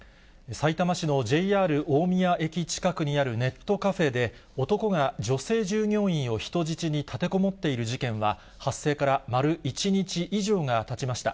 さいたま市のＪＲ大宮駅近くにあるネットカフェで、男が女性従業員を人質に、立てこもっている事件は、発生から丸１日以上がたちました。